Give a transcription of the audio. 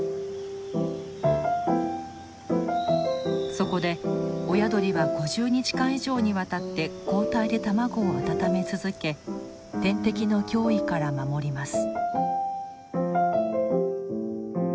そこで親鳥は５０日間以上にわたって交代で卵を温め続け天敵の脅威から守ります。